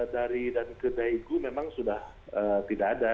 dari dan ke daegu memang sudah tidak ada